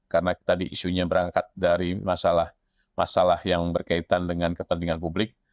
karena tadi isunya berangkat dari masalah masalah yang berkaitan dengan kepentingan publik